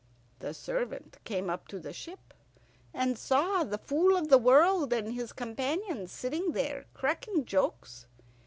The servant came up to the ship, and saw the Fool of the World and his companions sitting there cracking jokes.